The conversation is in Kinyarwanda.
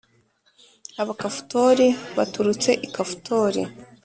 Abakafutori baturutse i Kafutori